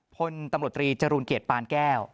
พลตำรวจตรีจรูลเกียรติปานแก้ว